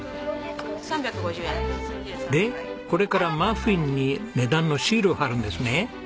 でこれからマフィンに値段のシールを貼るんですね。